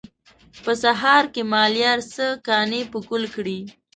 په سهار کې مالیار څه کانې په ګل کړي.